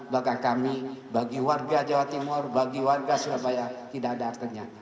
bagi kami bagi warga jawa timur bagi warga surabaya tidak ada artinya